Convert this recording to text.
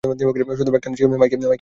শুধু ব্যাগটা নিচ্ছি - মাইকি, বাদ দে ওটা।